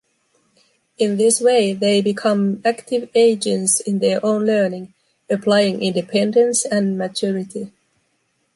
In this way they become active agents in their own learning, applying independence and maturity.